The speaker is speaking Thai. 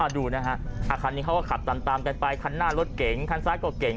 ดูนะฮะคันนี้เขาก็ขับตามกันไปคันหน้ารถเก๋งคันซ้ายก็เก่ง